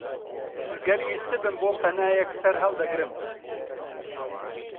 گەر ویستبم بۆ پەنایەک سەرهەڵگرم،